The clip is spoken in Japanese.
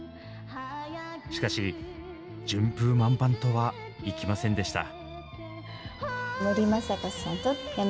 しかし順風満帆とはいきませんでした。